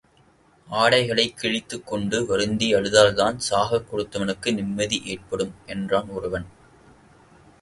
ஆடைகளைக் கிழித்துக் கொண்டு, வருத்தியழுதால்தான் சாகக் கொடுத்தவனுக்கு நிம்மதி ஏற்படும். என்றான் ஒருவன்.